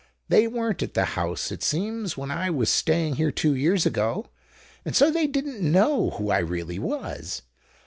They weren't at the house, it seems, when I was staying here two years ago; and so they didn't know who I really was.